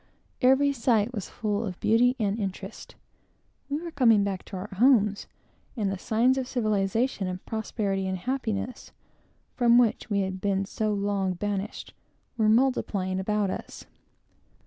Every sight was full of beauty and interest. We were coming back to our homes; and the signs of civilization, and prosperity, and happiness, from which we had been so long banished, were multiplying about us.